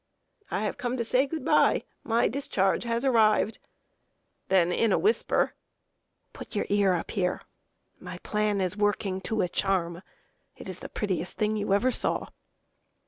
"I have come to say good by. My discharge has arrived." (In a whisper,) "Put your ear up here. My plan is working to a charm. It is the prettiest thing you ever saw."